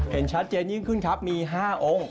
เห็นชัดเจนยิ่งขึ้นครับมี๕องค์